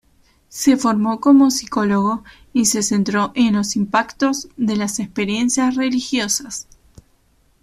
Se formó como psicólogo y se centró en los impactos de las experiencias religiosas.